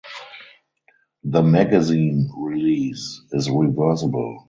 The magazine release is reversible.